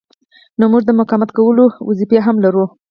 نو موږ د مقاومت کولو دنده هم لرو.